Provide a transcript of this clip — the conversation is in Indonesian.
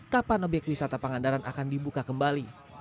kapan obyek wisata pangandaran akan dibuka kembali